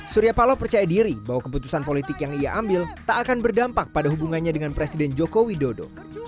surya paloh percaya diri bahwa keputusan politik yang ia ambil tak akan berdampak pada hubungannya dengan presiden joko widodo